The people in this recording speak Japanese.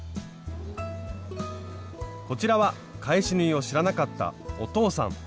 こちらは返し縫いを知らなかったお父さん。